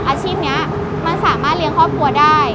อาชีพนี้มันสามารถเลี้ยงครอบครัวได้